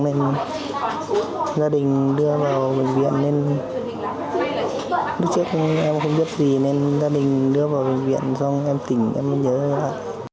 gia đình đưa vào bệnh viện nên đứt chết em không biết gì nên gia đình đưa vào bệnh viện do em tỉnh em nhớ lại